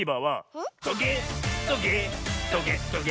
「トゲ・トゲ・トゲ・トゲ！」